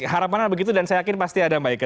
harapanan begitu dan saya yakin pasti ada mba ike